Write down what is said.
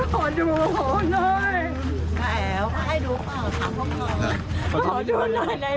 ขอดูหน่อย